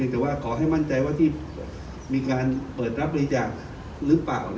แต่ว่าขอให้มั่นใจว่าที่มีการเปิดรับบริจาคหรือเปล่า